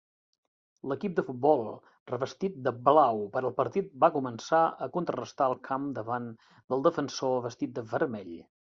L'equip de futbol revestit de blau per al partit va començar a contrarestar el camp davant del Defensor vestit de vermell